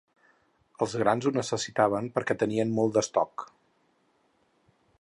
Els grans ho necessitaven perquè tenien molt d’estoc.